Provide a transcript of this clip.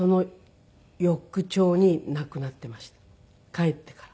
帰ってから？